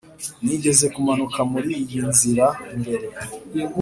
nigeze kumanuka muriyi nzira mbere.